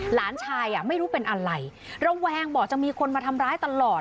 หลานชายอ่ะไม่รู้เป็นอะไรระแวงบอกจะมีคนมาทำร้ายตลอด